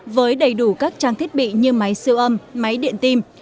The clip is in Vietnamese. với đầy đủ các trang thiết bị như máy siêu âm máy điện tim